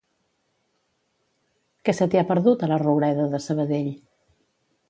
Què se t'hi ha perdut, a La Roureda de Sabadell?